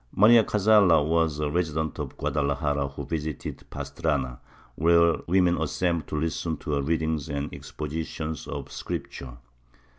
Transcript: Maria Cazalla was a resident of Guadalajara who visited Pas trana, where women assembled to listen to her readings and expositions of Scripture.